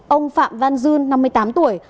ông phạm văn dương năm mươi tám tuổi